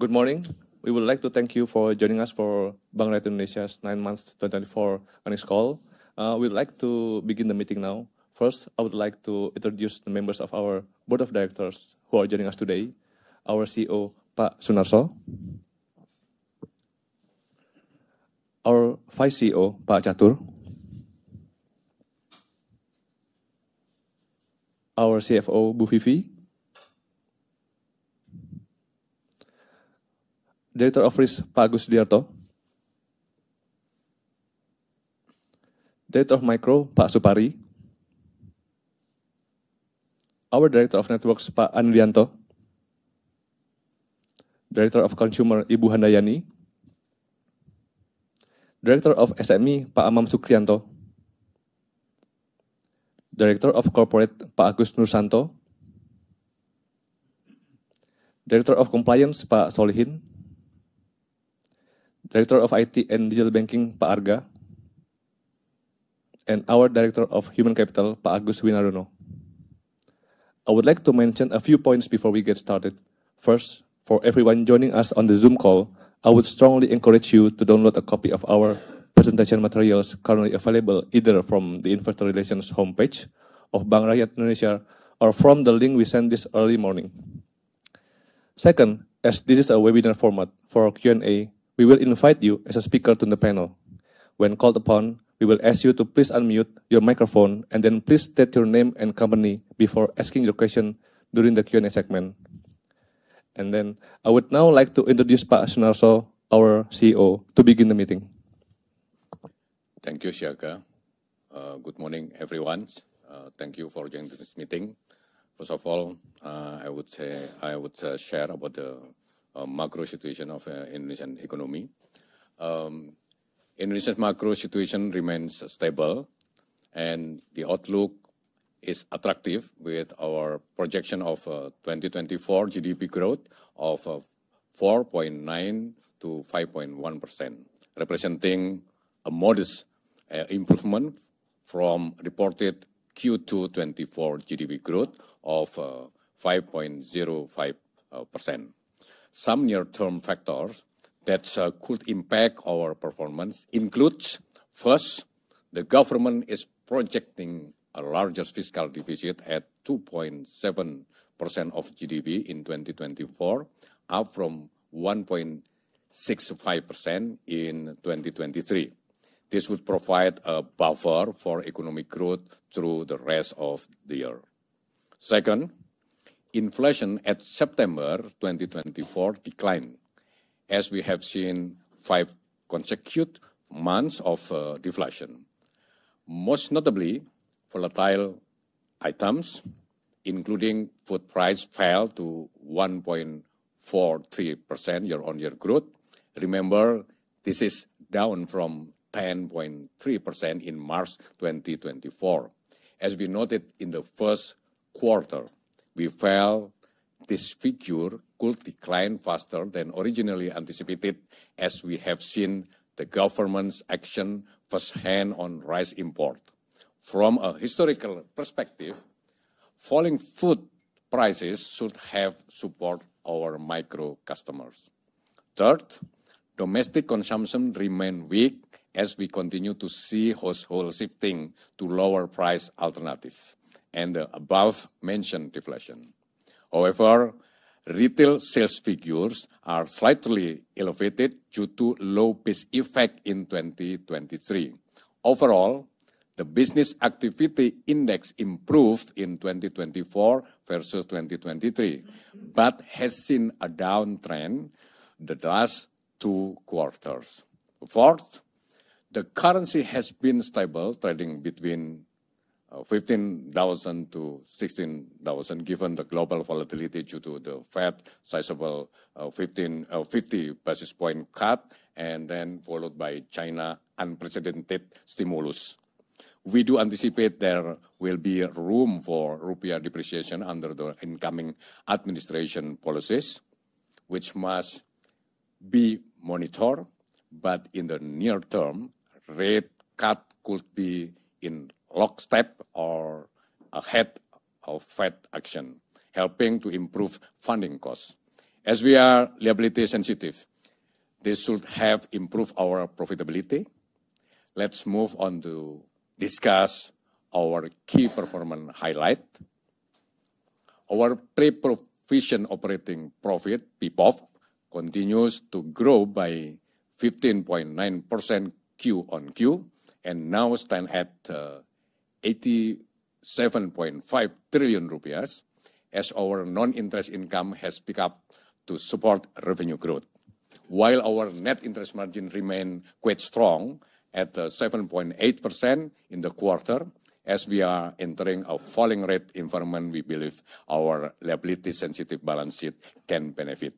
Good morning. We would like to thank you for joining us for Bank Rakyat Indonesia's nine months 2024 earnings call. We'd like to begin the meeting now. First I would like to introduce the members of our Board of Directors who are joining us today. Our CEO, Pak Sunarso, our Vice CEO, Pak Catur. Our CFO, Bu Vivi. Director of Risk, Pak Agus Sudiarto. Director of Micro, Pak Supari. Our Director of Networks, Pak Andrijanto. Director of Consumer, Ibu Handayani. Director of SME, Pak Amam Sukriyanto. Director of Corporate, Pak Agus Noorsanto. Director of Compliance, Pak Solichin. Director of IT and Digital Banking, Pak Arga. And our Director of Human Capital, Pak Agus Winardono. I would like to mention a few points before we get started. First, for everyone joining us on the Zoom call, I would strongly encourage you to download a copy of our presentation materials currently available either from the investor relations homepage of Bank Rakyat Indonesia or from the link we sent this early morning. Second, as this is a webinar format for Q&A, we will invite you as a speaker to the panel. When called upon, we will ask you to please unmute your microphone and then please state your name and company before asking your question during the Q&A segment. And then I would now like to introduce Pak Sunarso, our CEO to begin the meeting. Thank you, Siaga. Good morning everyone. Thank you for joining this meeting. First of all, I would say I would share about the macro situation of Indonesian economy. Indonesia's macro situation remains stable and the outlook is attractive with our projection of 2024 GDP growth of 4.9%-5.1% representing a modest improvement from reported Q2 2024 GDP growth of 5.05%. Some near term factors that could impact our performance include first, the government is projecting a largest fiscal deficit at 2.7% of GDP in 2024, up from 1.65% in 2023. This would provide a buffer for economic growth through the rest of the year. Second, inflation at September 2024 declined as we have seen five consecutive months of deflation. Most notably, volatile items including food price fell to 1.43% year on year growth. Remember, this is down from 10.3% in March 2024. As we noted in the first quarter, we felt this figure could decline faster than originally anticipated as we have seen the government's action firsthand on rice import. From a historical perspective, falling food prices should have supported our micro customers. Third, domestic consumption remained weak as we continue to see households shifting to lower price alternative and the above mentioned deflation. However, retail sales figures are slightly elevated due to low base effect in 2023. Overall the business activity index improved in 2024 versus 2023 but has seen a downtrend the last two quarters. Fourth, the currency has been stable trading between 15,000-16,000. Given the global volatility due to the Fed sizable 50 basis point cut and then followed by China unprecedented stimulus, we do anticipate there will be room for rupiah depreciation under the incoming administration policies which must be monitored but in the near term rate cut could be in lockstep or ahead of Fed action helping to improve funding costs. As we are liability sensitive, this should have improved our profitability. Let's move on to discuss our key performance highlight. Our pre-provision operating profit continues to grow by 15.9% Q on Q and now stand at IDR 87.5 trillion as our non-interest income has picked up to support revenue growth while our net interest margin remained quite strong at 7.8% in the quarter. As we are entering a falling rate environment, we believe our liability sensitive balance sheet can benefit.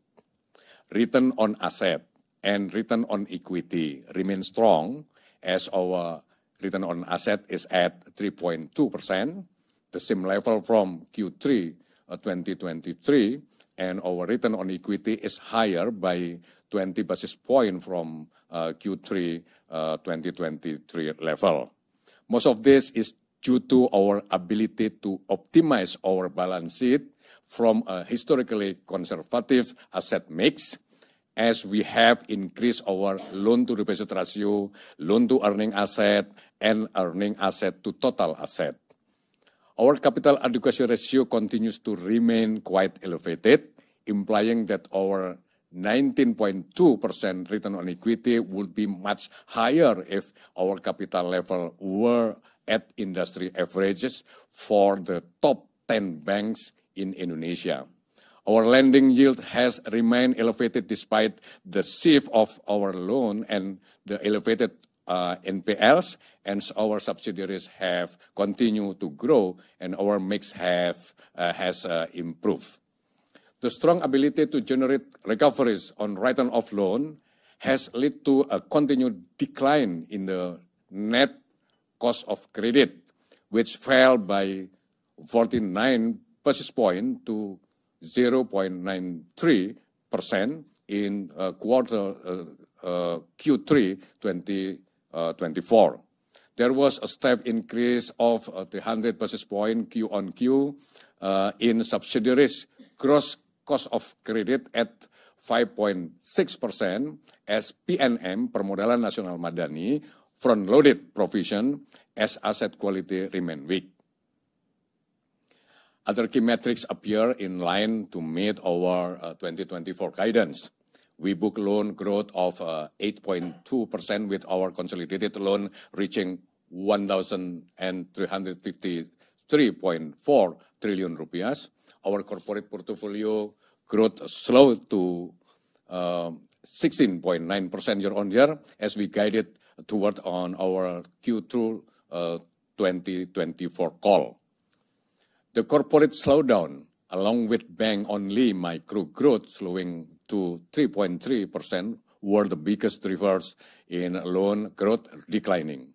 Return on assets and return on equity remain strong, as our return on assets is at 3.2%, the same level from Q3 2023, and our return on equity is higher by 20 basis points from Q3 2023 level. Most of this is due to our ability to optimize our balance sheet from a historically conservative asset mix, as we have increased our loan to deposit ratio, loan to earning asset, and earning asset to total asset. Our capital adequacy ratio continues to remain quite elevated, implying that our 19.2% return on equity would be much higher if our capital level were at industry averages for the top 10 banks in Indonesia. Our lending yield has remained elevated despite the size of our loan and the elevated NPLs, and our subsidiaries have continued to grow and our mix has improved. The strong ability to generate recoveries on write-off loans has led to a continued decline in the net cost of credit, which fell by 49 basis points to 0.93% in Q3 2024. There was a step increase of 300 basis points Q on Q in subsidiaries' gross cost of credit at 5.66% as PNM, Permodalan Nasional Madani, front-loaded provisions. As asset quality remains weak, other key metrics appear in line to meet our 2024 guidance. We booked loan growth of 8.2% with our consolidated loans reaching 1,353.4 trillion rupiah. Our corporate portfolio growth slowed to 16.9% year on year as we guided toward on our Q2 2024 call. The corporate slowdown along with bank-only micro growth slowing to 3.3% were the biggest drivers in loan growth declining.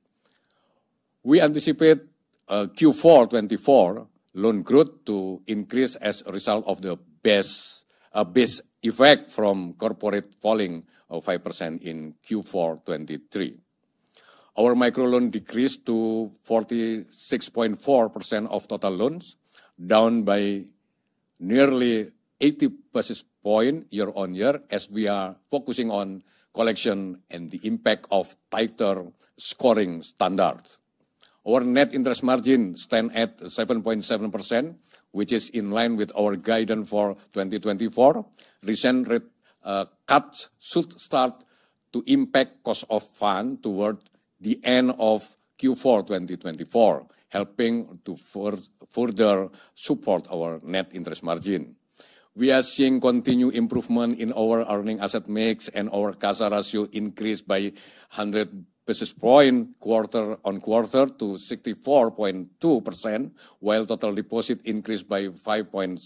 We anticipate Q4 2024 loan growth to increase as a result of the base effect from corporate falling of 5% in Q4 2023. Our micro loan decreased to 46.4% of total loans down by nearly 80 basis points year on year as we are focusing on collection and the impact of tighter scoring standard. Our net interest margin stand at 7.7% which is in line with our guidance for 2024. Recent rate cuts should start to impact cost of fund toward the end of Q4 2024 helping to further support our net interest margin. We are seeing continued improvement in our earning asset mix and our CASA ratio increase by 100 basis points quarter on quarter to 64.2% while total deposit increased by 5.6%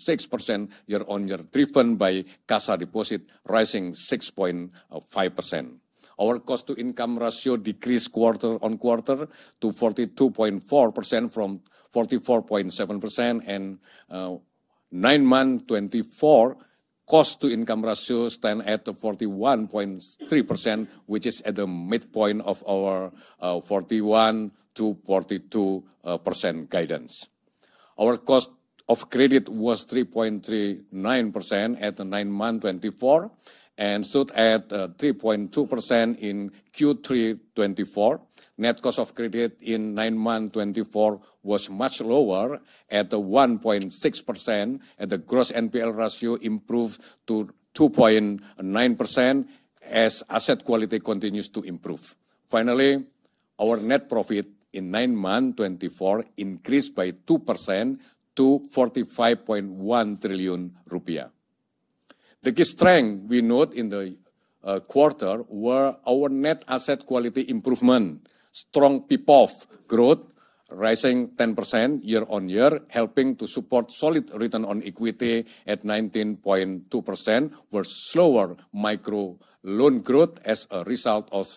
year on year driven by CASA deposit rising 6.5%. Our cost to income ratio decreased quarter on quarter to 42.4% from 44.7% and 9 months 2024. Cost-to-income ratio stands at 41.3%, which is at the midpoint of our 41%-42% guidance. Our cost of credit was 3.39% at 9 months 2024 and stood at 3.2% in Q3 2024. Net cost of credit in 9 months 2024 was much lower at 1.6% and the gross NPL ratio improved to 2.9% as asset quality continues to improve. Finally, our net profit in nine months 2024 increased by 2% to 45.1 trillion rupiah. The key strengths we noted in the quarter were our net asset quality improvement, strong PPOP growth rising 10% year on year helping to support solid return on equity at 19.2% were slower micro loan growth as a result of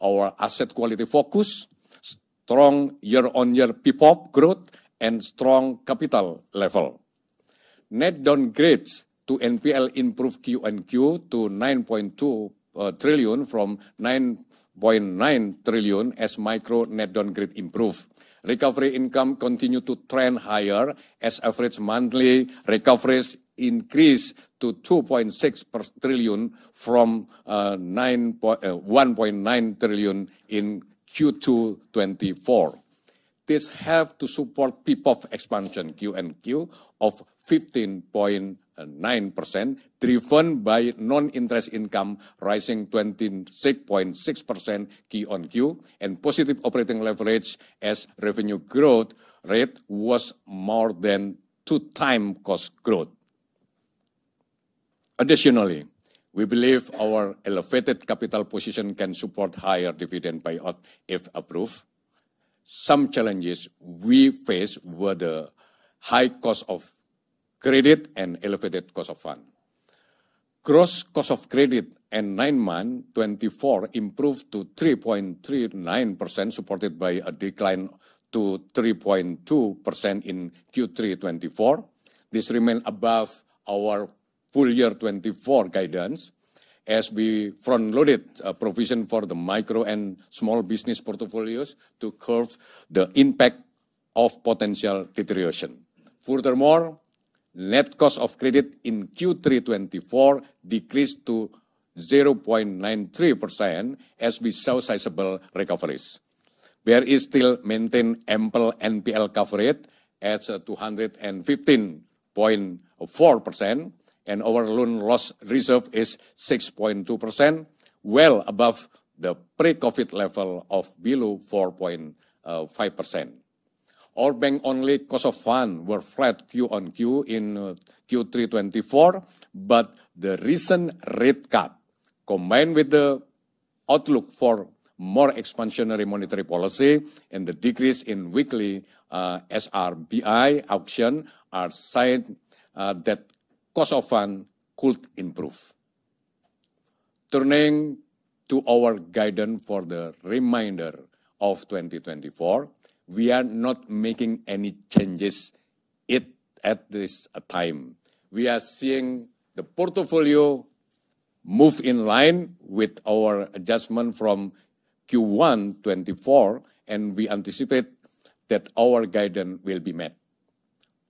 our asset quality focus. Strong year-on-year PPOP growth and strong capital level. Net downgrades to NPL improved Q on Q to 9.2 trillion from 9.9 trillion as micro net downgrade improved. Recovery income continues to trend higher as average monthly recoveries increased to 2.6 trillion from 1.9 trillion in Q2 2024. This helped to support PPOP expansion Q on Q of 15.9% driven by non-interest income rising 26.6% Q on Q and positive operating leverage as revenue growth rate was more than 2x cost growth. Additionally, we believe our elevated capital position can support higher dividend payout if approved. Some challenges we faced were the high cost of credit and elevated cost of funds. Gross cost of credit in 9 months 2024 improved to 3.39% supported by a decline to 3.2% in Q3 2024. This remains above our full year 2024 guidance as we front-loaded provisions for the micro and small business portfolios to curb the impact of potential deterioration. Furthermore, net cost of credit in Q3 2024 decreased to 0.93% as we saw sizable recoveries. BRI is still maintaining ample NPL coverage at 215.4% and our loan loss reserve is 6.2% well above the pre-COVID level of below 4.5%. Our bank-only cost of funds were flat Q on Q in Q3 2024 but the recent rate cut combined with the outlook for more expansionary monetary policy and the decrease in weekly SRBI auctions are signs that cost of funds could improve. Turning to our guidance for the remainder of 2024, we are not making any changes in it at this time. We are seeing the portfolio move in line with our adjustment from Q1 2024 and we anticipate that our guidance will be met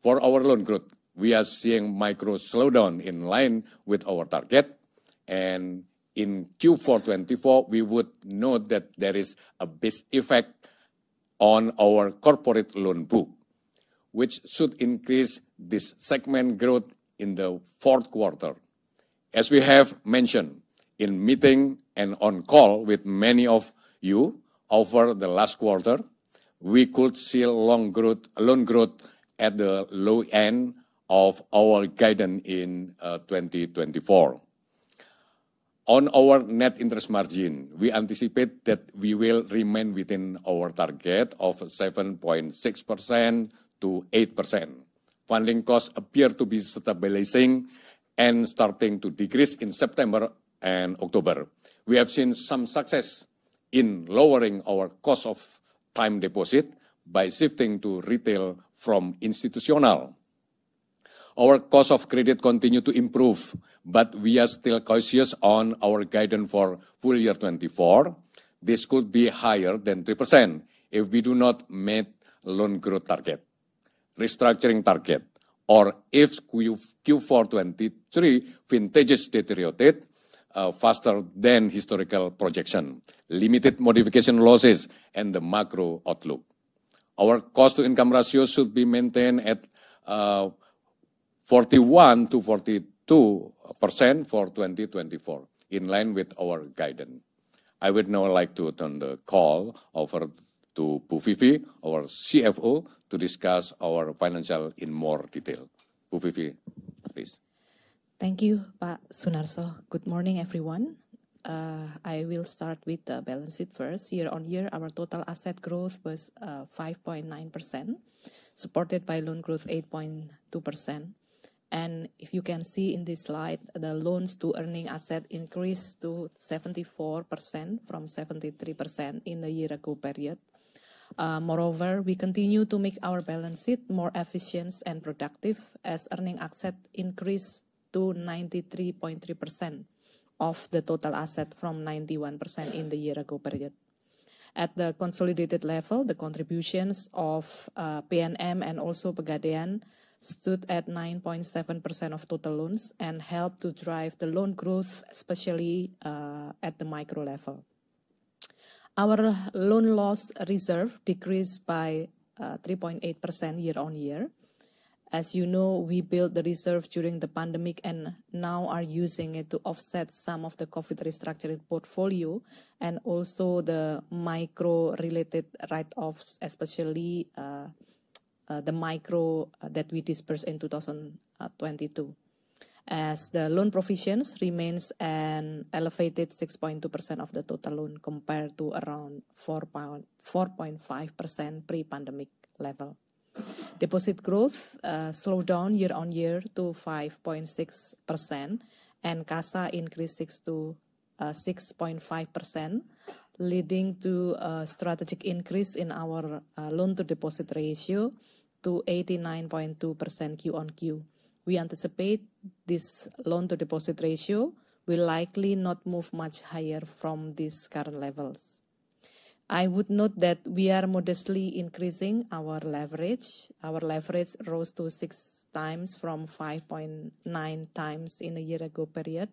for our loan growth. We are seeing micro slowdown in line with our target and in Q4 2024. We would note that there is a base effect on our corporate loan book which should increase this segment growth in the fourth quarter. As we have mentioned in meeting and on call with many of you over the last quarter we could see loan growth at the low end of our guidance in 2024 on our net interest margin. We anticipate that we will remain within our target of 7.6%-8%. Funding costs appear to be stabilizing and starting to decrease in September and October. We have seen some success in lowering our cost of time deposit by shifting to retail from institutional. Our cost of credit continue to improve but we are still cautious on our guidance for full year 2024. This could be higher than 3% if we do not meet loan growth target, restructuring target or if Q4 2023 vintages deteriorated faster than historical projection, limited modification losses and the macro outlook. Our cost to income ratio should be maintained at 41%-43.2% for 2024 in line with our guidance. I would now like to turn the call over to Bu Vivi, our CFO, to discuss our financials in more detail. Bu Vivi, please. Thank you, Pak Sunarso. Good morning everyone. I will start with the balance sheet. First, year on year, our total asset growth was 5.9% supported by loan growth 8.2% and if you can see in this slide, the loans to earning assets increased to 74% from 73% in the year ago period. Moreover, we continue to make our balance sheet more efficient and productive as earning asset increased to 93.3% of the total asset from 91% in the year ago period. At the consolidated level, the contributions of PNM and also Pegadaian stood at 9.7% of total loans and helped to drive the loan growth especially at the micro level. Our loan loss reserve decreased by 3.8% year on year. As you know, we built the reserve during the pandemic and now are using it to offset some of the COVID restructuring portfolio and also the micro related write offs, especially the micro that we dispersed in 2022 as the loan provisions remains an elevated 6.2% of the total loan compared to around 4.5% pre pandemic level. Deposit growth slowed down year on year to 5.6% and CASA increased to 6.5% leading to a strategic increase in our loan to deposit ratio to 89.2% Q on Q. We anticipate this loan to deposit ratio will likely not move much higher from these current levels. I would note that we are modestly increasing our leverage. Our leverage rose to 6x from 5.9x in a year-ago period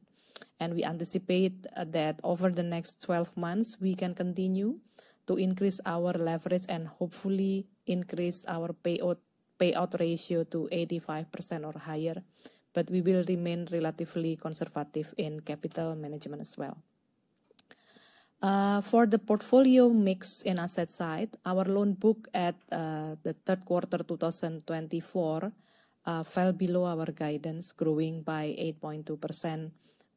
and we anticipate that over the next 12 months we can continue to increase our leverage and hopefully increase our payout ratio to 85% or higher, but we will remain relatively conservative in capital management as well for the portfolio mix. In asset side, our loan book at the third quarter 2024 fell below our guidance growing by 8.2%.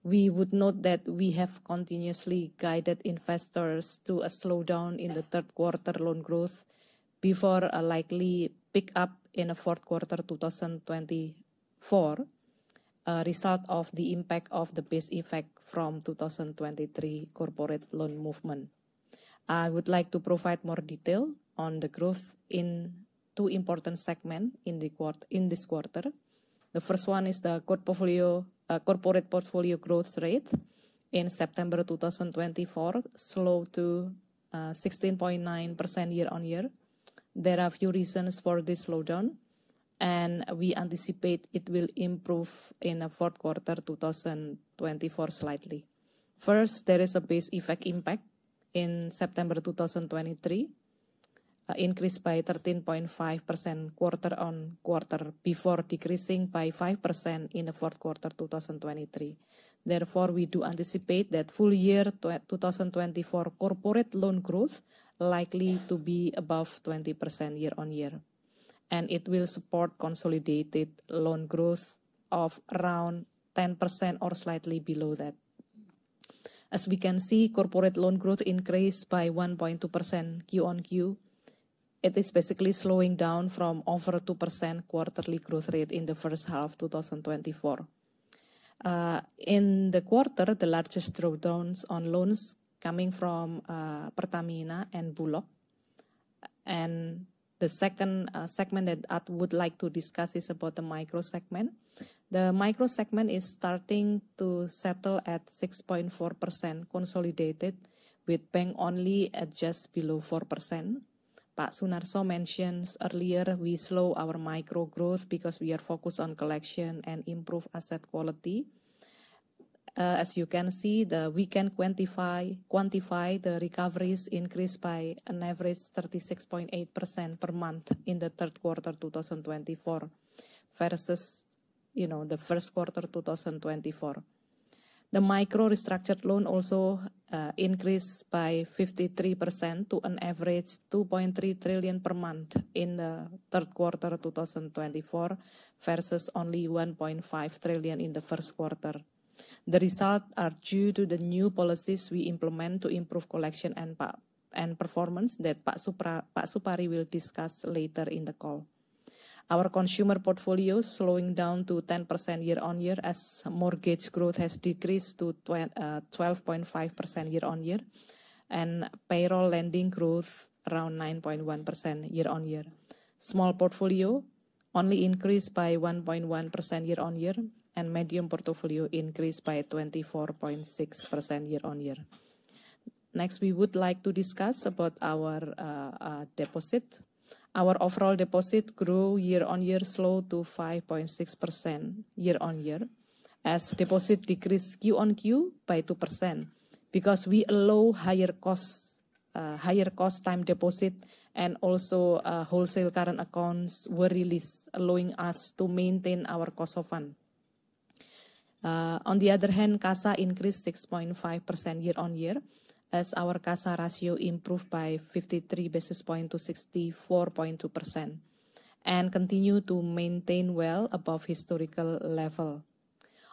We would note that we have continuously guided investors to a slowdown in the third quarter loan growth before a likely pick up in the fourth quarter 2024, a result of the impact of the base effect from 2023. Corporate loan movement. I would like to provide more detail on the growth in two important segments in this quarter. The first one is the corporate portfolio growth rate in September 2024 slow to 16.9% year on year. There are a few reasons for this slowdown and we anticipate it will improve in the fourth quarter 2024 slightly. First, there is a base effect impact in September 2023 increased by 13.5% quarter on quarter before decreasing by 5% in the fourth quarter 2023. Therefore, we do anticipate that full year 2024 corporate loan growth likely to be above 20% year on year and it will support consolidated loan growth of around 10% or slightly below that. As we can see corporate loan growth increased by 1.2% Q on Q. It is basically slowing down from over 2% quarterly growth rate in the first half 2024 in the quarter. The largest drawdowns on loans coming from Pertamina and Bulog and the second segment that I would like to discuss is about the micro segment. The micro segment is starting to settle at 6.4% consolidated with bank only at just below 4%, but as mentioned earlier, we slow our micro growth because we are focused on collection and improve asset quality. As you can see, we can quantify the recoveries increase by an average 36.8% per month in the third quarter 2024 versus, you know, the first quarter 2024. The micro restructured loan also increased by 53% to an average 2.3 trillion per month in the third quarter 2024 vs only 1.5 trillion in the first quarter. The results are due to the new policies we implement to improve collection and asset performance that Pak Supari will discuss later in the call. Our consumer portfolio slowing down to 10% year on year as mortgage growth has decreased to 12.5% year on year and payroll lending growth around 9.1% year on year. Small portfolio only increased by 1.1% year on year and medium portfolio increased by 24.6% year on year. Next we would like to discuss about our deposit. Our overall deposit grew year on year slow to 5.6% year on year as deposit decreased Q on Q by 2% because we allow higher cost time deposit and also wholesale current accounts allowing us to maintain our cost of funds. On the other hand, CASA increased 6.5% year on year as our CASA ratio improved by 53 basis points to 64.2% and continue to maintain well above historical level.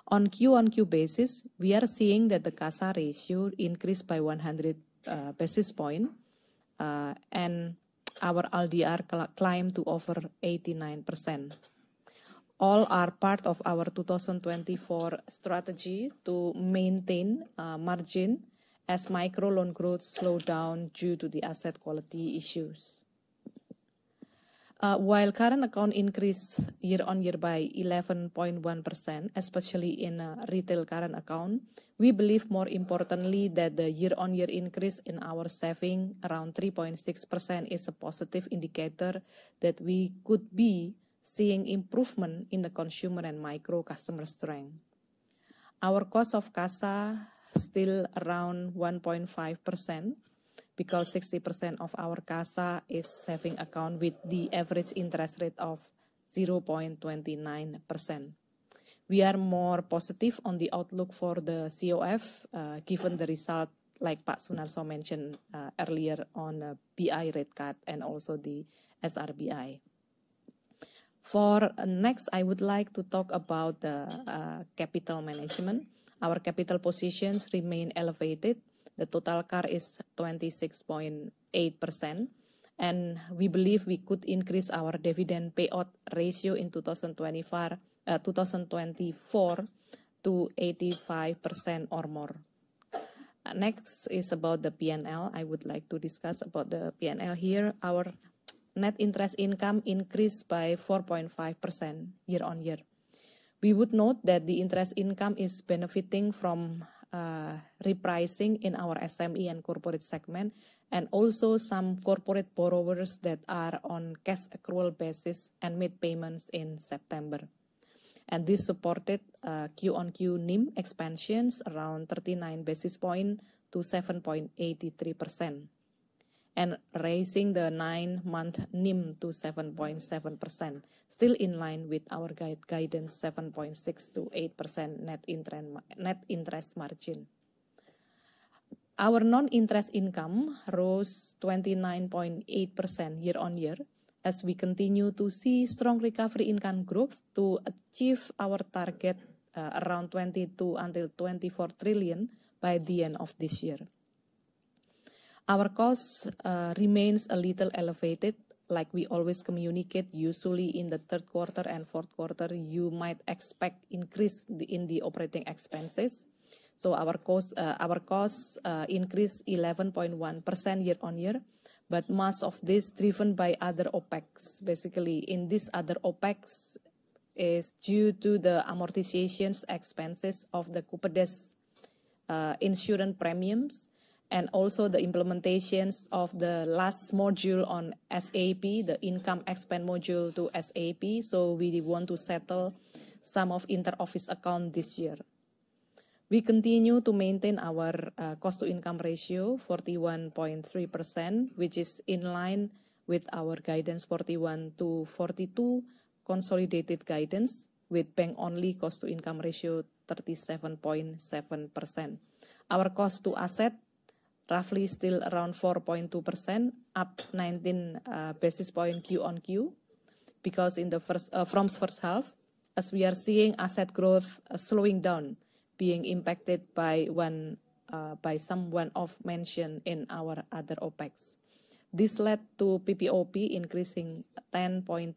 On Q on Q basis, we are seeing that the CASA ratio increased by 100 basis points and our LDR climbed to over 89%. All are part of our 2024 strategy to maintain margin as micro loan growth slowed down due to the asset quality issues while current account increased year on year by 11.1% especially in retail current account. We believe more importantly that the year on year increase in our savings around 3.6% is a positive indicator that we could be seeing improvement in the consumer and micro customer strength. Our cost of CASA still around 1.5% because 60% of our CASA is savings account with the average interest rate of 0.29%. We are more positive on the outlook for the COF given the result like Pak Sunarso also mentioned earlier on the BI rate cut and also the SRBI. For next, I would like to talk about the capital management. Our capital positions remain elevated, the total CAR is 26.8% and we believe we could increase our dividend payout ratio in 2024 to 85% or more. Next is about the P&L. I would like to discuss about the P&L here. Our net interest income increased by 4.5% year on year. We would note that the interest income is benefiting from repricing in our SME and corporate segment and also some corporate borrowers that are on cash accrual basis and made payments in September and this supported Q on Q NIM expansions around 39 basis points to 7.83% and raising the nine month NIM to 7.7% still in line with our guidance 7.6%-8% net interest margin. Our non-interest income rose 29.8% year on year as we continue to see strong recovery in transaction group to achieve our target around 22 trillion-24 trillion by the end of this year. Our cost remains a little elevated, like we always communicate, usually in the third quarter and fourth quarter. You might expect increase in the operating expenses. Our costs increased 11.1% year on year, but most of this driven by other OpEx. Basically, in this other OpEx is due to the amortization expenses of the Kupedes insurance premiums and also the implementations of the last module on SAP, the income expense module to SAP, so we want to settle some of inter office account this year. We continue to maintain our cost to income ratio 41.3%, which is in line with our guidance 41%-42% consolidated guidance, with bank only cost to income ratio 37.7%. Our cost to asset roughly still around 4.2%, up 19 basis point Q on Q, because in the first half as we are seeing asset growth slowing down being impacted by one by someone of mention in our other OpEx. This led to PPOP increasing 10.2%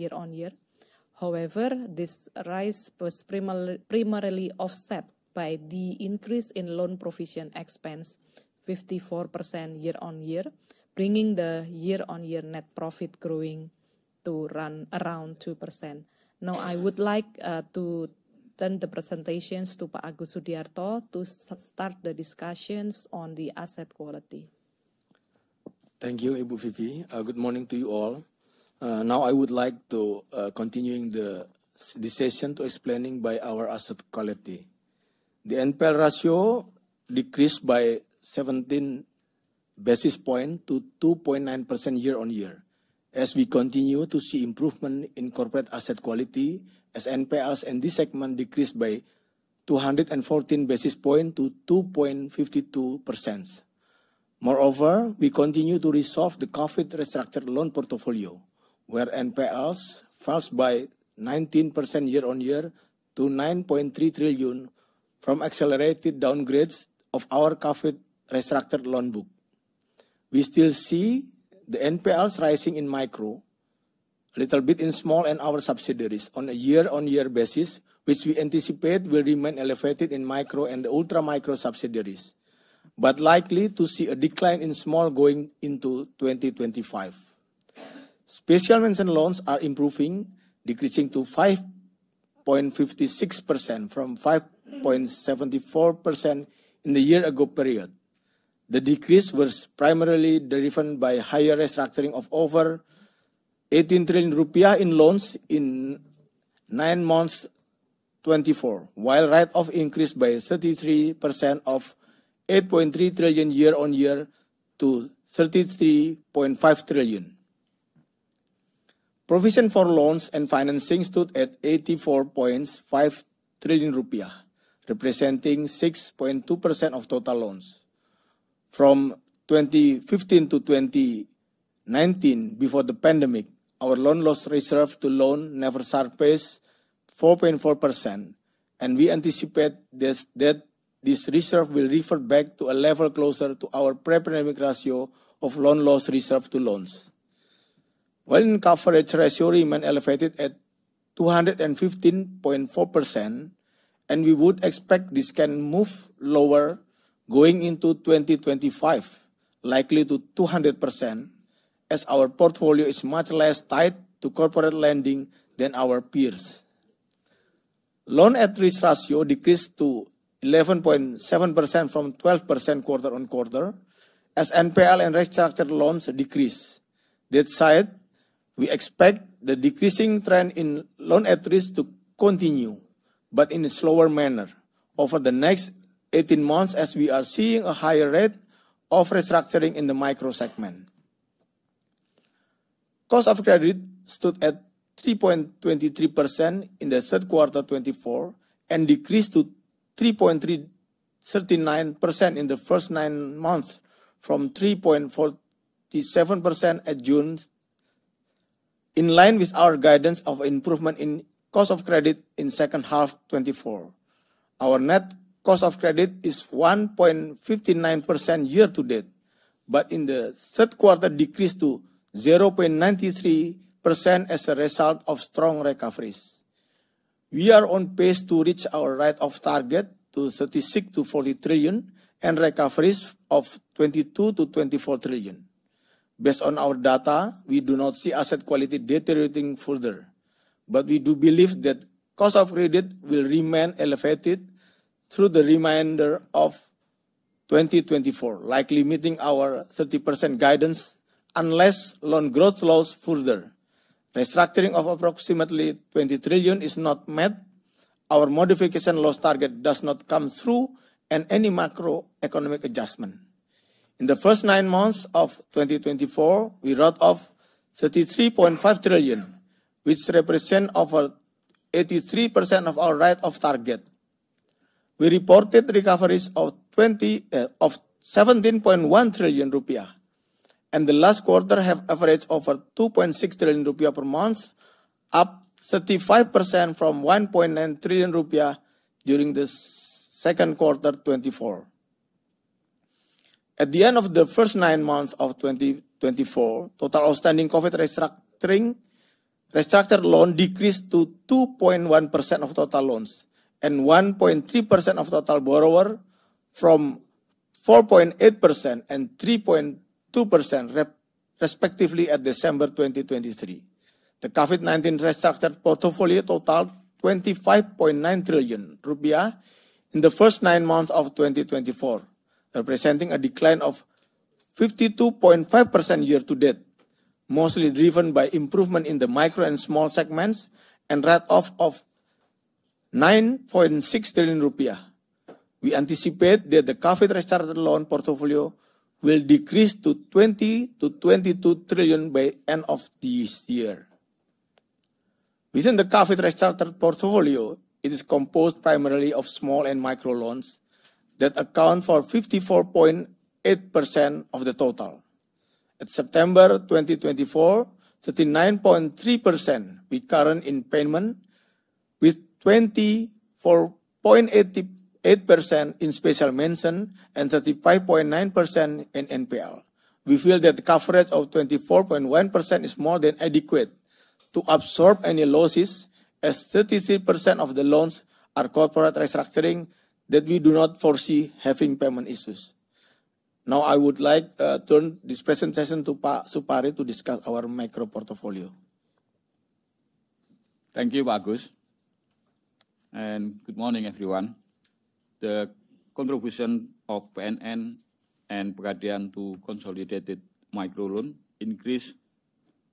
year on year. However, this rise was primarily offset by the increase in loan provision expense 54% year on year, bringing the year on year net profit growing to run around 2%. Now I would like to turn the presentation to Pak Agus Sudiarto to start the discussions on the asset quality. Thank you, Ibu Vivi. Good morning to you all. Now I would like to continue the discussion by explaining our asset quality. The NPL ratio decreased by 17 basis points to 2.9% year on year as we continue to see improvement in corporate asset quality and as NPLs in this segment decreased by 214 basis points to 2.52%. Moreover, we continue to resolve the COVID restructured loan portfolio where NPLs fell by 19% year on year to 9.3 trillion from accelerated downgrades of our COVID restructured loan book. We still see the NPLs rising in micro a little bit in small and our subsidiaries on a year on year basis which we anticipate will remain elevated in micro and ultra micro subsidiaries but likely to see a decline in small going into 2025. Special mention loans are improving decreasing to 5.56% from 5.74% in the year ago period. The decrease was primarily driven by higher restructuring of over 18 trillion rupiah in loans in nine months 2024, while write off increased by 33% of 8.3 trillion year on year to 33.5 trillion. Provision for loans and financing stood at 84.5 trillion rupiah, representing 6.2% of total loans from 2015 to 2019. Before the pandemic, our loan loss reserve to loan never surfaced 4.4%, and we anticipate that this reserve will revert back to a level closer to our pre-pandemic ratio of loan loss reserve to loans, while in coverage ratio remain elevated at 215.4%, and we would expect this can move lower going into 2025, likely to 200%, as our portfolio is much less tight to corporate lending than our peers. Loan at risk ratio decreased to 11.7% from 12% quarter on quarter as NPL and restructured loans decreased. That said, we expect the decreasing trend in loan at risk to continue but in a slower manner over the next 18 months as we are seeing a higher rate of restructuring in the micro segment. Cost of credit stood at 3.23% in 3Q24 and decreased to 3.39% in the first nine months from 3.47% at June in line with our guidance of improvement in cost of credit in second half 2024. Our net cost of credit is 1.59% year to date but in the third quarter decreased to 0.93% as a result of strong recoveries. We are on pace to reach our write-off target to 36 trillion-40 trillion and recoveries of 22 trillion-24 trillion. Based on our data, we do not see asset quality deteriorating further, but we do believe that cost of credit will remain elevated through the remainder of 2024, likely meeting our 30% guidance unless loan growth slows. Further restructuring of approximately 20 trillion is not met. Our modification loss target does not come through and any macroeconomic adjustment. In the first nine months of 2024 we wrote off 33.5 trillion which represent over 83% of our write off target. We reported recoveries of 17.1 trillion rupiah and the last quarter have averaged over 2.6 trillion rupiah per month up 35% from 1.9 trillion rupiah during the second quarter 2024. At the end of the first nine months of 2024, total outstanding COVID restructuring restructured loan decreased to 2.1% of total loans and 1.3% of total borrower from 4.8% and 3.2% respectively at December 2023. The COVID-19 restructured portfolio totaled 25.9 trillion rupiah in the first nine months of 2024, representing a decline of 52.5% year to date, mostly driven by improvement in the micro and small segments and write-off of 9.6 trillion rupiah. We anticipate that the COVID-19 restructured loan portfolio will decrease to 20 trillion-22 trillion by end of this year. Within the COVID-19 restructured portfolio it is composed primarily of small and micro loans that account for 54.8% of the total at September 2024: 39.3% with current repayment, 24.88% in special mention, and 35.9% in NPL. We feel that coverage of 24.1% is more than adequate to absorb any losses as 33% of the loans are corporate restructuring that we do not foresee having payment issues. Now I would like to turn this presentation to Pak Supari to discuss our micro portfolio. Thank you, Pak Agus, and good morning everyone. The contribution of PNM and Pegadaian to consolidated micro loan increased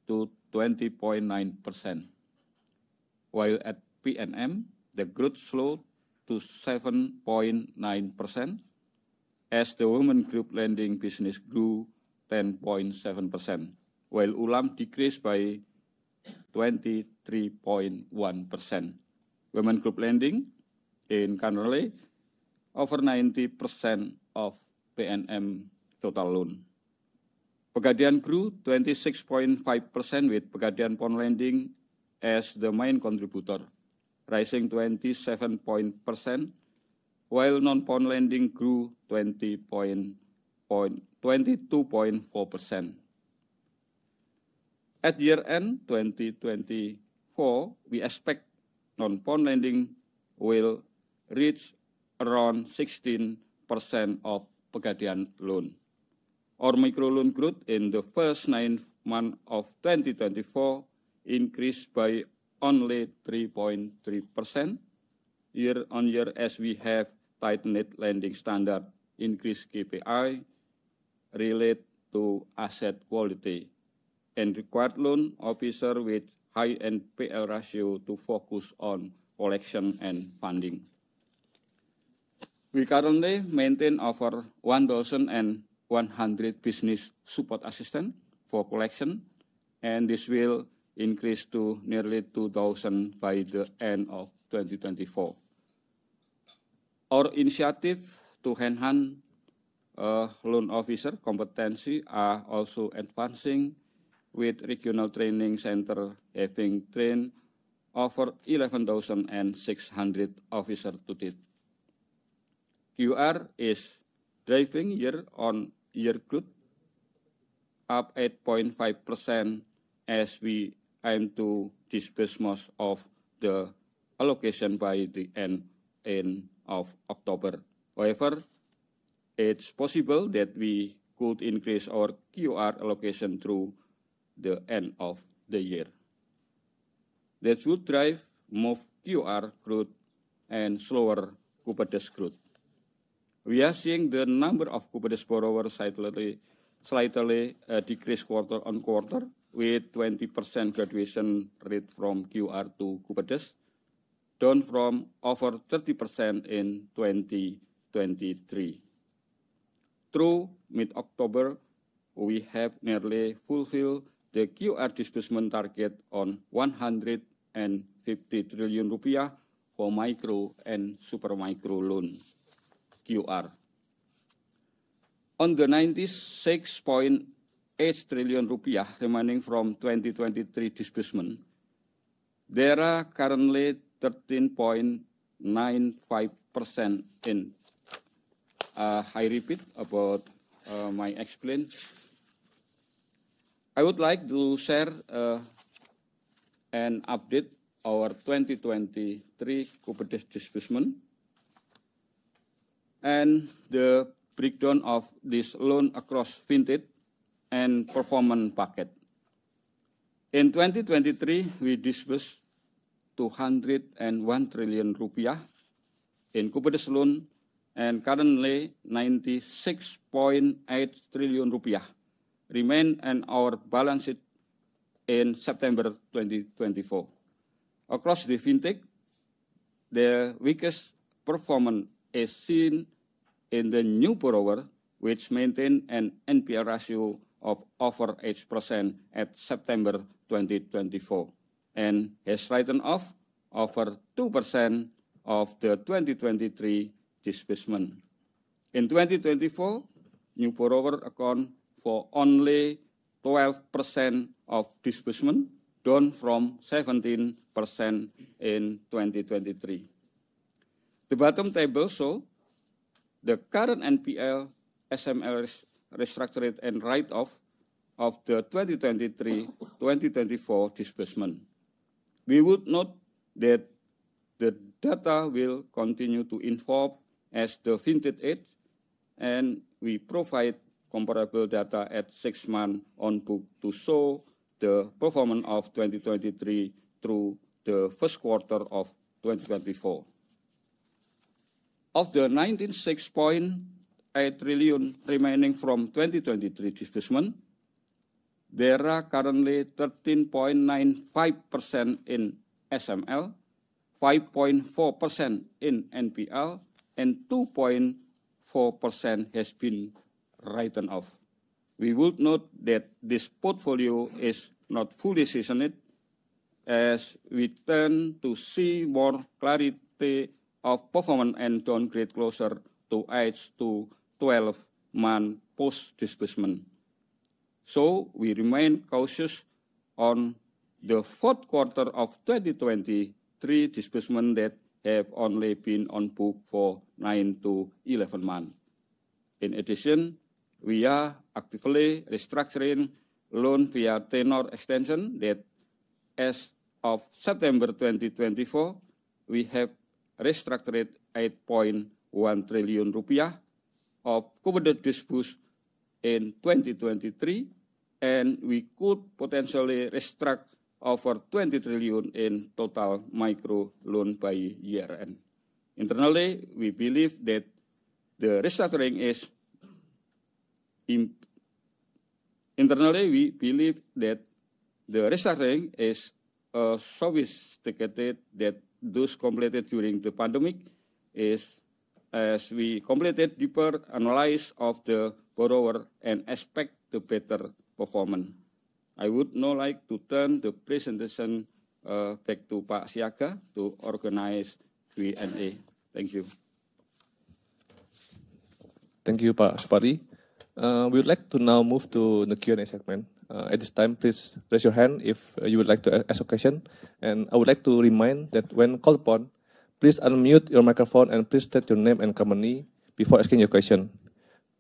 to 20.9% while at PNM the growth slowed to 7.9% as the women group lending business grew 10.7% while ULaMM decreased by 23.1%. Women group lending in currently over 90% of PNM total loans. Pegadaian grew 26.5% with Pegadaian pawn lending as the main contributor rising 27.0% while non-pawn lending grew 22.4% at year-end 2024. We expect non-pawn lending will reach around 16% of Pegadaian loan. Our micro loan growth in the first nine months of 2024 increased by only 3.3% year-on-year as we have tightened lending standards, increased KPIs related to asset quality, and required loan officers with high NPL ratios to focus on collection and funding. We currently maintain over 1,100 business support assistants for collection and this will increase to nearly 2,000 by the end of 2024. Our initiative to enhance loan officer competency is also advancing with regional training centers. Having trained over 11,600 officers to date, KUR is driving year on year growth up 8.5% as we aim to disburse most of the allocation by the end of October. However it's possible that we could increase our KUR allocation through the end of the year. That should drive more KUR growth and slower Kupedes growth. We are seeing the number of Kupedes borrowers slightly decreased quarter on quarter with 20% graduation rate from KUR to Kupedes down from over 30% in 2023. Through mid October we have nearly fulfilled the KUR disbursement target on 150 trillion rupiah for micro and super micro loans on the 96.8 trillion rupiah remaining from 2023 disbursement there are currently 13.95% in. I repeat about my explanation. I would like to share an update our 2023 Kupedes disbursement and the breakdown of this loan across vintage and performance bucket. In 2023 we disbursed 201 trillion rupiah in Kupedes loans and currently 96.8 trillion rupiah remain on our balance sheet in September 2024. Across the vintage the weakest performance is seen in the new borrower which maintains an NPL ratio of over 8% at September 2024 and has written off over 2% of the 2023 disbursement. In 2024, new borrower account for only 12% of disbursement drawn from 17% in 2023. The bottom table show the current NPL SML restructure rate and write off of the 2023-2024 disbursement. We would note that the data will continue to evolve as the vintage ages and we provide comparable data at six months on book to show the performance of 2023 through the first quarter of 2024. Of the 96.8 trillion remaining from 2023 disbursement there are currently 13.95% in SML, 5.4% in NPL and 2.4% has been written off. We would note that this portfolio is not fully seasoned as we tend to see more clarity of performance and don't get closer to age 12 months post disbursement. So we remain cautious on the fourth quarter of 2023 disbursements that have only been on book for nine to 11 months. In addition, we are actively restructuring loans via tenor extension that as of September 2024 we have restructured 8.1 trillion rupiah of Kupedes in 2023 and we could potentially restructure over 20 trillion in total micro loans by year-end. Internally we believe that the restructuring is sophisticated that those completed during the pandemic is as we completed deeper analysis of the borrower and expect better performance. I would now like to turn the presentation back to Pak Siaga to organize Q&A. Thank you. Thank you, Pak Supari. We would like to now move to the Q&A segment. At this time, please raise your hand if you would like to ask a question, and I would like to remind that when called upon, please unmute your microphone and please state your name and company before asking your question.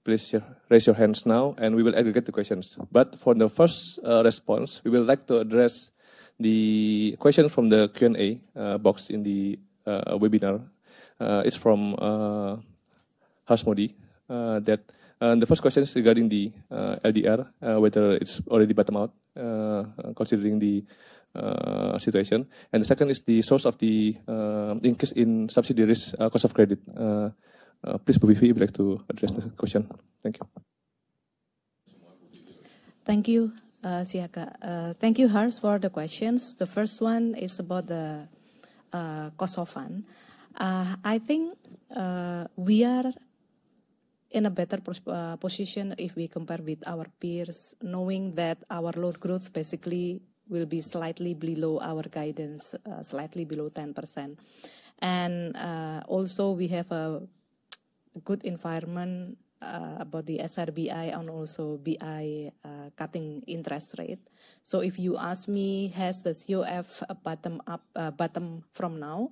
Please raise your hands now, and we will aggregate the questions. But for the first response, we would like to address the question from the Q&A box in the webinar. It's from Harsh Modi that the first question is regarding the LDR whether it's already bottom out considering the situation, and the second is the source of the increase in subsidiaries cost of credit. Please, Bu Vivi, please to address the question. Thank you. Thank you, Siaga, thank you, Harsh, for the questions. The first one is about the cost of fund. I think we are in a better position if we compare with our peers knowing that our loan growth basically will be slightly below our guidance, slightly below 10%. And also we have a good environment about the SRBI and also BI cutting interest rate. So if you ask me, has the COF bottomed from now?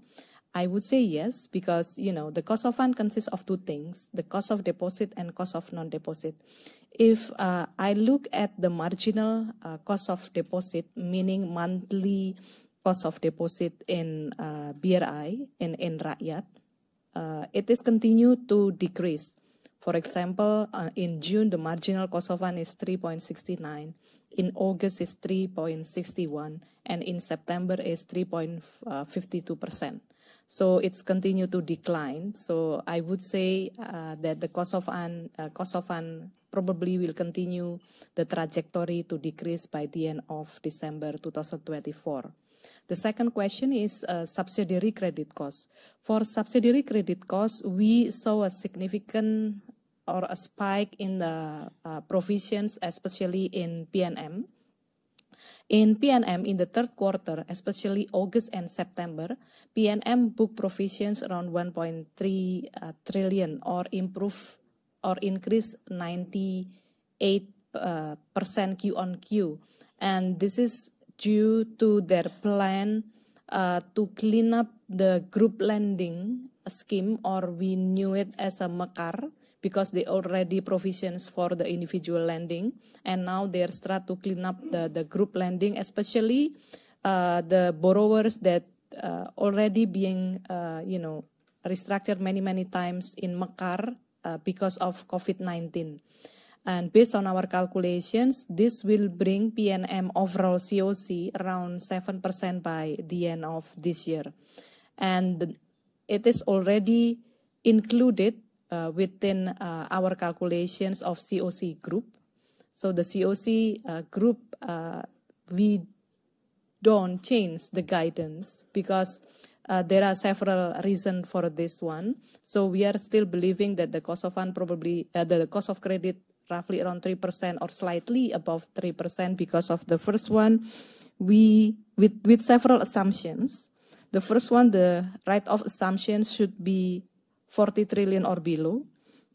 I would say yes because you know the cost of fund consists of two things, the cost of deposit and cost of non deposit. If I look at the marginal cost of deposit, meaning monthly cost of deposit in BRI, in Rakyat, it is continued to decrease. For example, in June the marginal cost of fund is 3.69%, in August is 3.61%, and in September is 3.52%. So it's continued to decline. So I would say that the cost of funds probably will continue the trajectory to decrease by the end of December 2024. The second question is subsidiary credit cost for subsidiary credit costs. We saw a significant or a spike in the provisions especially in PNM. In PNM in the third quarter, especially August and September, PNM booked provisions around 1.3 trillion or improve or increase 98% Q on Q. And this is due to their plan to clean up the group lending scheme or we knew it as Mekaar because they already provisions for the individual lending and now they start to clean up the group lending especially the borrowers that already being, you know, restructured many, many times in Mekaar because of COVID-19 and based on our calculations this will bring PNM overall CoC around 7% by the end of this year. It is already included within our calculations of CoC group. So the CoC group we don't change the guidance because there are several reasons for this one. So, we are still believing that the cost of funds probably the cost of credit roughly around 3% or slightly above 3% because of the first one with several assumptions. The first one, the write-off assumptions should be 40 trillion or below.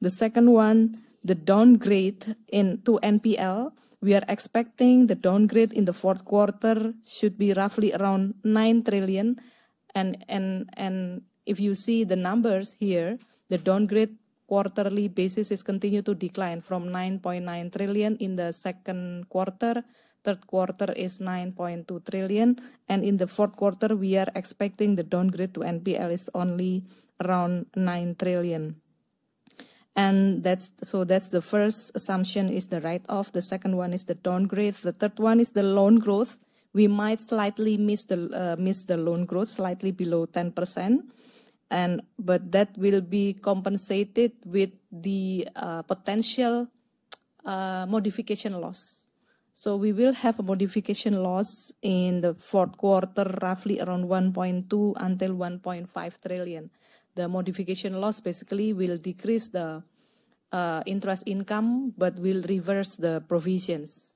The second one, the downgrade to NPL we are expecting the downgrade in the fourth quarter should be roughly around 9 trillion. And if you see the numbers here, the downgrade quarterly basis is continue to decline from 9.9 trillion in the second quarter. Third quarter is 9.2 trillion. And in the fourth quarter we are expecting the downgrade to NPL is only around 9 trillion. And that's, so that's the first assumption is the write-off. The second one is the downgrade. The third one is the loan growth. We might slightly miss the loan growth slightly below 10% but that will be compensated with the potential modification loss. So we will have a modification loss in the fourth quarter roughly around 1.2 trillion-1.5 trillion. The modification loss basically will decrease the interest income but will reverse the provisions.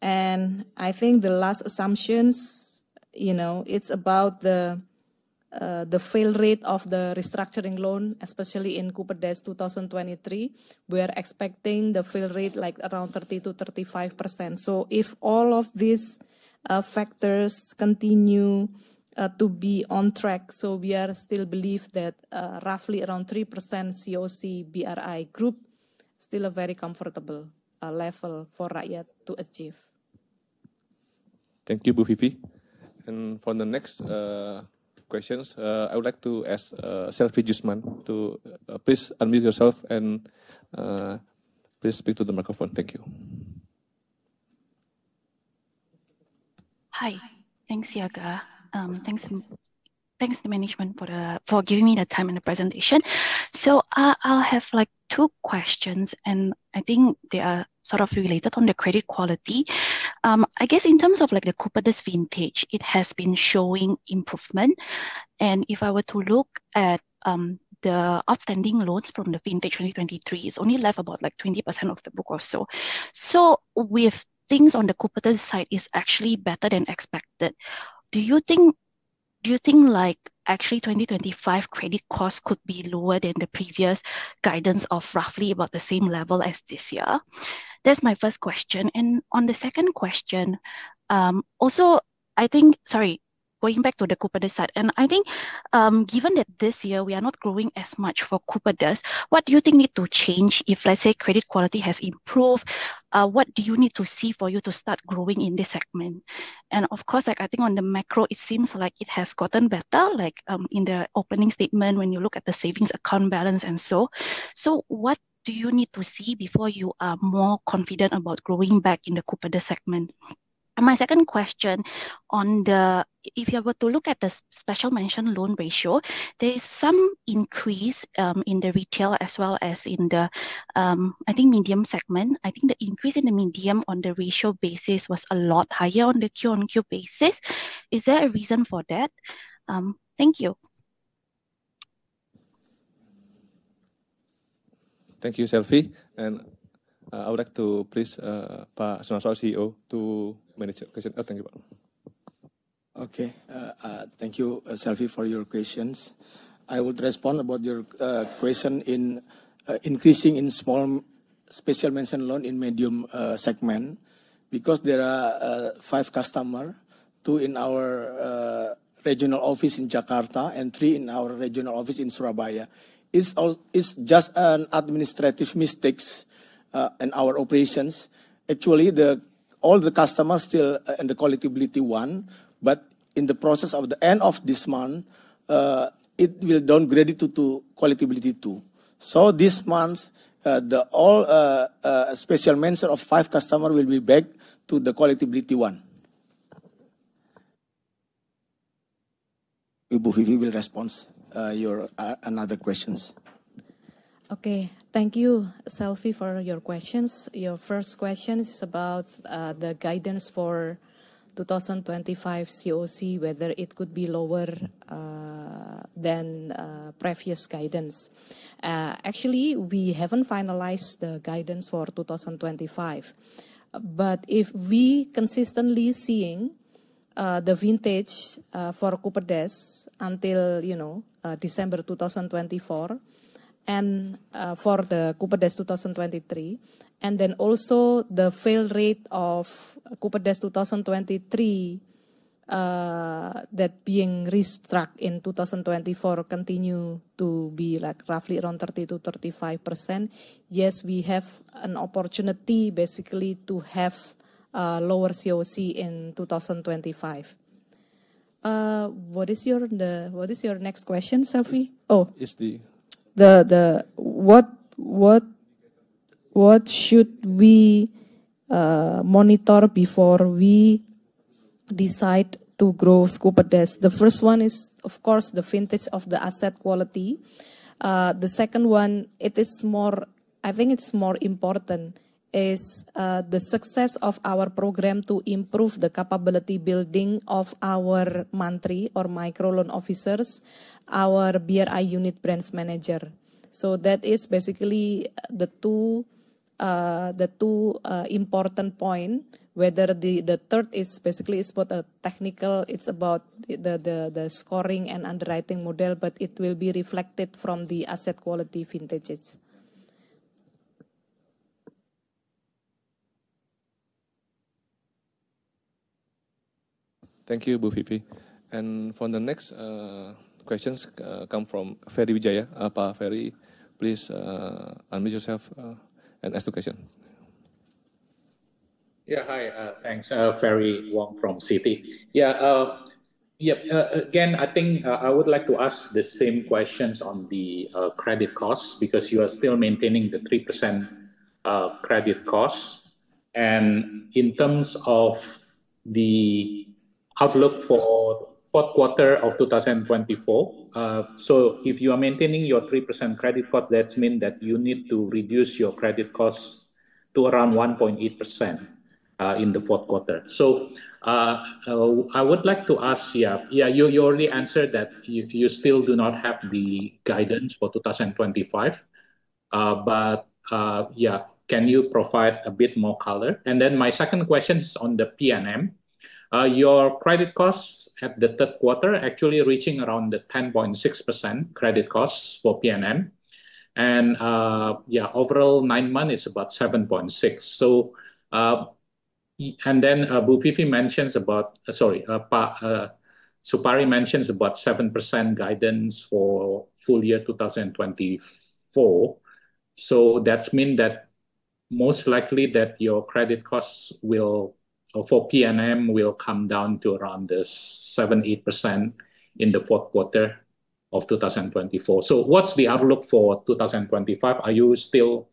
And I think the last assumptions, you know, it's about the fail rate of the restructuring loan. Especially in Kupedes 2023 we are expecting the fail rate like around 30%-35%. So if all of these factors continue to be on track, we are still believe that roughly around 3% CoC BRI group still a very comfortable level for Rakyat to achieve. Thank you, Bu Vivi. And for the next questions I would like to ask Selvie Jusman to please unmute yourself and please speak to the microphone. Thank you. Hi, thanks Siaga. Thanks to the management for giving me the time and the presentation. So I'll have like two questions and I think they are sort of related on the credit quality, I guess, in terms of like the Kupedes vintage. It has been showing improvement. And if I were to look at the outstanding loans from the vintage 2023, it's only left about like 20% of the book or so. So with things on the Kupedes side is actually better than expected. Do you think like actually 2025 credit costs could be lower than the previous guidance of roughly about the same level as this year? That's my first question. On the second question also, I think, sorry, going back to the Kupedes side, and I think given that this year we are not growing as much for Kupedes, what do you think needs to change? If, let's say, credit quality has improved, what do you need to see for you to start growing in this segment? And of course I think on the macro it seems like it has gotten better. Like in the opening statement when you look at the savings account balance and so. So what do you need to see before you are more confident about growing back in the Kupedes segment? My second question on the, if you were to look at the special mention loan ratio, there is some increase in the retail as well as in the, I think, medium segment. I think the increase in the medium on the ratio basis was a lot higher on the Q on Q basis. Is there a reason for that? Thank you. Thank you, Selvie, and I would like to please Pak Sunarso CEO to manage the question. Okay, thank you Selvie for your questions. I would respond about your question in increasing in small special mention loan in medium segment because there are five customers, two in our regional office in Jakarta and three in our regional office in Surabaya. It's just an administrative mistake in our operations. Actually all the customers still in the collectability 1, but in the process of the end of this month it will downgrade it to collectability 2. So this month all special mention of five customers will be back to the collectability 1. Ibu Vivi will respond your another questions. Okay, thank you Selvie for your questions. Your first question is about the guidance for 2025 CoC, whether it could be lower than previous guidance. Actually we haven't finalized the guidance for 2025 but if we consistently seeing the vintage for Kupedes until you know December 2024 and for the Kupedes 2023 and then also the fail rate of Kupedes 2023 that being restructured in 2024 continue to be like roughly around 30%-35%. Yes, we have an opportunity basically to have lower CoC in 2025. What is your next question, Selvie? It's the. What should we monitor before we decide to grow Kupedes? The first one is of course the health of the asset quality. The second one, I think it's more important, is the success of our program to improve the capability building of our mantri or micro loan officers, our BRI unit branch manager. So that is basically the two. The two important point whether the. The third is basically about a technical. It's about the scoring and underwriting model but it will be reflected from the asset quality vintages. Thank you. For the next question, it comes from Ferry Wijaya. Please unmute yourself and ask the question. Yeah. Hi, thanks. Ferry Wong from Citi. I think I would like to ask the same questions on the credit costs because you are still maintaining the 3% credit cost and in terms of the outlook for fourth quarter of 2024. So if you are maintaining your 3% credit cost, that means that you need to reduce your credit cost to around 1.8% in the fourth quarter. I would like to ask. You already answered that you still do not have the guidance for 2025. Can you provide a bit more color? My second question is on the PNM, your credit costs at the third quarter actually reaching around the 10.6% credit costs for PNM. Overall nine months is about 7.6%. And then, Bu Vivi mentions about. Sorry, Pak Supari mentions about 7% guidance for full year 2024. So that means that most likely that your credit costs for PNM will come down to around this 7.8% in the fourth quarter of 2024. So what's the outlook for 2025? Are you still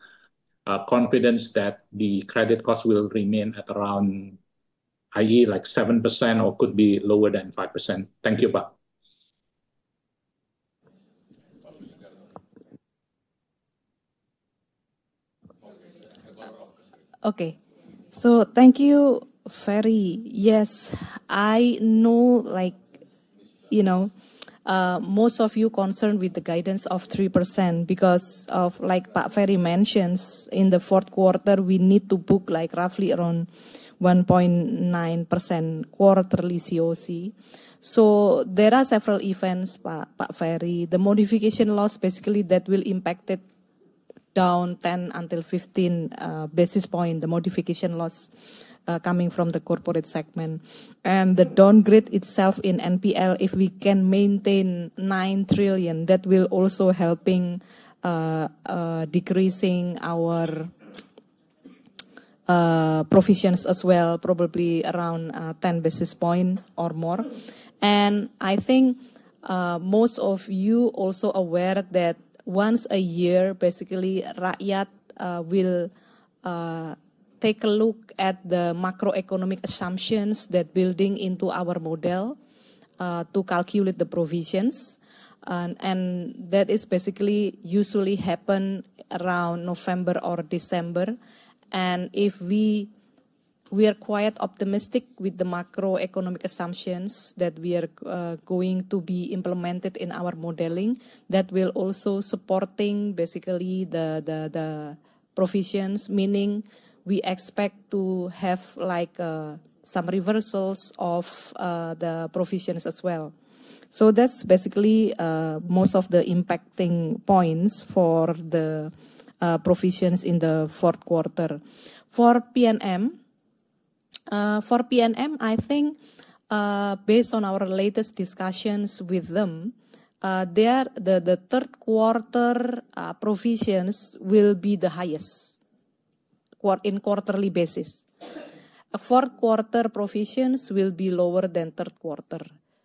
confident that the credit cost will remain at around i.e. like 7% or could be lower than 5%. Thank you, Pak. Okay, so thank you, Ferry. Yes, I know like, you know, most of you concerned with the guidance of 3% because, like, Pak Ferry mentions in the fourth quarter we need to book like roughly around 1.9% quarterly CoC. So there are several events, Pak Ferry. The modification loss basically that will impact it down 10 until 15 basis points. The modification loss coming from the corporate segment and the downgrade itself in NPL. If we can maintain 9 trillion that will also helping decreasing our provisions as well probably around 10 basis points or more. And I think most of you also aware that once a year basically Rakyat will take a look at the macroeconomic assumptions that building into our model to calculate the provisions and that is basically usually happen around November or December. If we, we are quite optimistic with the macroeconomic assumptions that we are going to be implemented in our modeling that will also support basically the provisions. Meaning we expect to have like some reversals of the provisions as well. So that's basically most of the impacting points for the provisions in the fourth quarter. For PNM, I think based on our latest discussions with them, there, the third quarter provision will be the highest on a quarterly basis. Fourth quarter provisions will be lower than third quarter.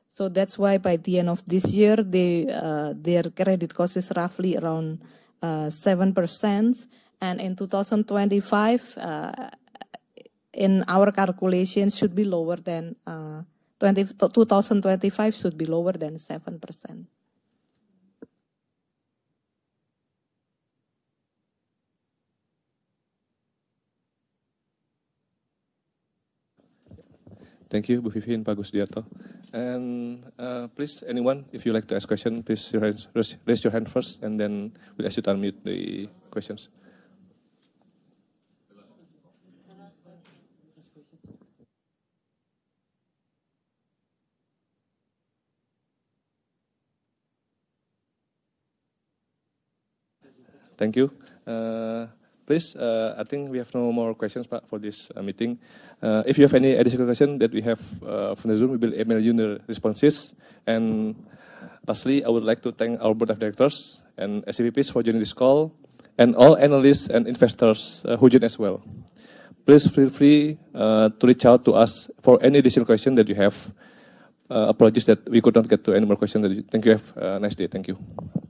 So that's why by the end of this year their credit cost is roughly around 7% and in 2025 in our calculation should be lower than 7%. Thank you, Bu Vivi and Pak Agus Sudiarto. And please, anyone, if you like to ask question, please raise your hand first and then we'll ask you to unmute the questions. Thank you. Please. I think we have no more questions for this meeting. If you have any additional question that we have from the Zoom, we will email you the responses. And lastly, I would like to thank our Board of Directors and SVPs for joining this call and all analysts and investors who join as well. Please feel free to reach out to us for any additional question that you have. Apologies that we could not get to any more question. Thank you. Have a nice day. Thank you.